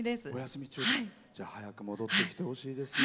じゃあ、早く戻ってきてほしいですね。